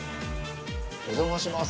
お邪魔します！